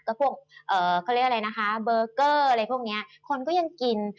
เขาเรียกว่าเบอร์เกอร์คนก็ยังกิน